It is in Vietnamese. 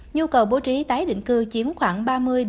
nhu cầu bố trí tái định cư chiếm khoảng ba mươi năm mươi